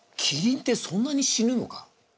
キリンってそんなに死ぬのか？